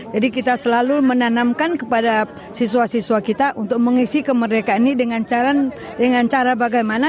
kita selalu menanamkan kepada siswa siswa kita untuk mengisi kemerdekaan ini dengan cara bagaimana